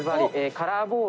カラーボール。